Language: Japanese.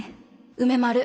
梅丸